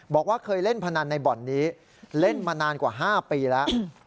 บอกว่าเคยเล่นพนันในบ่อนนี้เล่นมานานกว่า๕ปีแล้ว